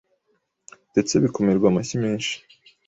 ndetse bikomerwa amashyi menshi.